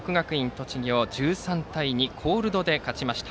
栃木を１３対２コールドで勝ちました。